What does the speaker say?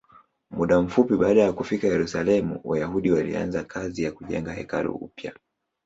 Muda mfupi baada ya kufika Yerusalemu, Wayahudi walianza kazi ya kujenga hekalu upya.